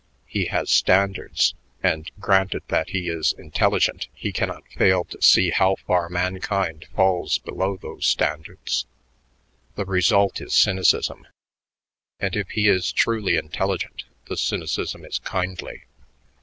He has standards, and, granted that he is intelligent, he cannot fail to see how far mankind falls below those standards. The result is cynicism, and if he is truly intelligent, the cynicism is kindly.